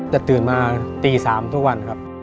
แต่ตื่นมาตี๓ทุกวันครับ